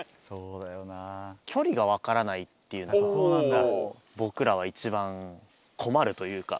距離が分からないっていうのが、僕らは一番困るというか。